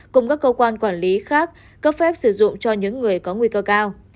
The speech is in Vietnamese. cùng các cơ quan quản lý khác cấp phép sử dụng cho những người có nguy cơ cao